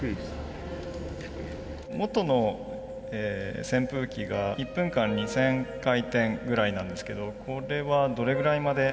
元の扇風機が１分間に１，０００回転ぐらいなんですけどこれはどれぐらいまで。